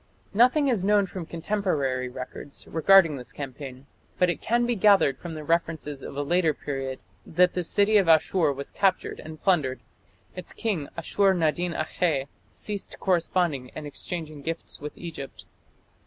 Nothing is known from contemporary records regarding this campaign; but it can be gathered from the references of a later period that the city of Asshur was captured and plundered; its king, Ashur nadin akhe, ceased corresponding and exchanging gifts with Egypt.